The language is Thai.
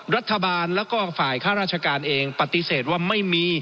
รัฐบาลแล้วก็ฝ่ายค่าราชการเองปฏิเสธว่าไม่มี